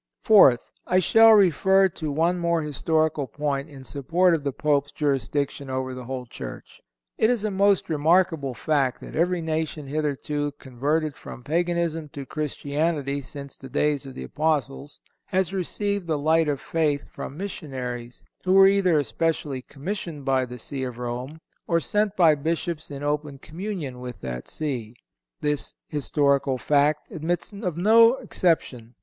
Fourth—I shall refer to one more historical point in support of the Pope's jurisdiction over the whole Church. It is a most remarkable fact that _every nation hitherto converted from Paganism to Christianity since the days of the Apostles, has received the light of faith from missionaries who were either especially commissioned by the See of Rome, or sent by Bishops in open communion with that See_. This historical fact admits of no exception.